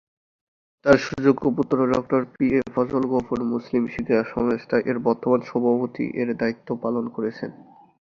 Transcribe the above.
তার সুযোগ্য পুত্র ডঃ পি এ ফজল গফুর মুসলিম শিক্ষা সংস্থা এর বর্তমান সভাপতি এর দায়িত্ব পালন করছেন।